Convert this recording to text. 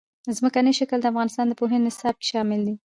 ځمکنی شکل د افغانستان د پوهنې نصاب کې شامل دي.